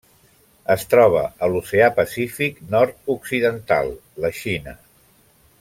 Es troba a l'Oceà Pacífic nord-occidental: la Xina.